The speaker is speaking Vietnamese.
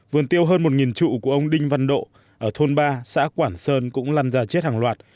vườn tiêu hơn một trụ của ông đinh văn độ ở thôn ba xã quản sơn cũng lăn ra chết hàng loạt